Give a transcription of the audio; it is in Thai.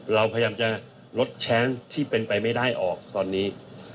เราพยายามจะลดแชทที่เป็นไปไม่ได้ออกตอนนี้